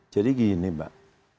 jadi gini mbak